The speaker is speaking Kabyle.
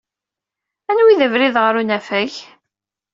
Anwa i d abrid ɣer unafag?